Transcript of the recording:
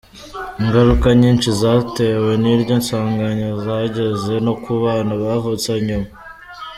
Ingaruka nyinshi zatewe n’iryo nsanganya zageze no kubana bavutse nyuma.